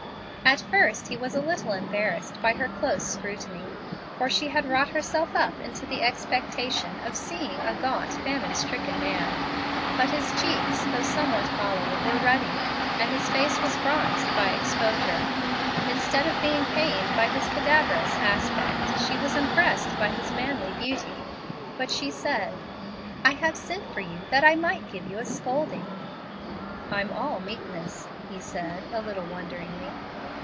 At first he was a little embarrassed by her close scrutiny, for she had wrought herself up into the expectation of seeing a gaunt, famine stricken man. But his cheeks, though somewhat hollow, were ruddy, and his face was bronzed by exposure. Instead of being pained by his cadaverous aspect, she was impressed by his manly beauty; but she said, "I have sent for you that I might give you a scolding." "I'm all meekness," he said, a little wonderingly.